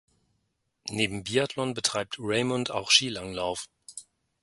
Neben Biathlon betreibt Raymond auch Skilanglauf.